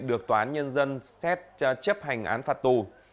được tòa án nhân dân chấp hành án phạt tù